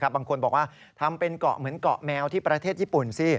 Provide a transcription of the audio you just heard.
บางคนบอกว่าทำเป็นเกาะเหมือนเกาะแมวที่ประเทศญี่ปุ่นสิ